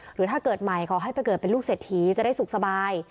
หรือถ้าเกิดใหม่ขอให้ไปเกิดเป็นลูกเศรษฐีจะได้สุขสบาย